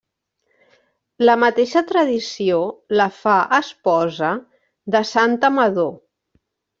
La mateixa tradició la fa esposa de Sant Amador.